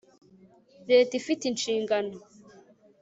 leta ifite inshingano